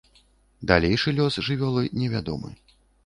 Далейшы лёс жывёлы невядомы.